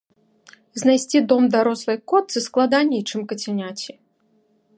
Знайсці дом дарослай котцы складаней, чым кацяняці.